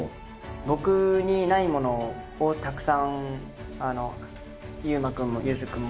僕にないものをたくさん優真君もゆづ君も持っていて。